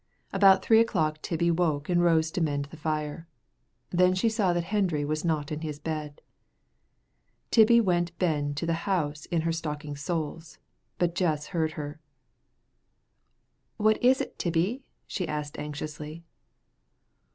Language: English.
About three o'clock Tibbie woke and rose to mend the fire. Then she saw that Hendry was not in his bed. Tibbie went ben the house in her stocking soles, but Jess heard her. "What is't, Tibbie?" she asked, anxiously.